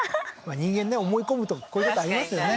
人間ね思い込むとこういうことありますよね